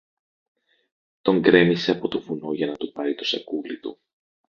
τον γκρέμισε από το βουνό για να του πάρει το σακούλι του.